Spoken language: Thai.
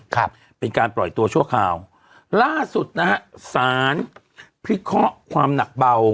ครับเป็นการปล่อยตัวชั่วคราวล่าสุดนะฮะสารพิเคราะห์ความหนักเบา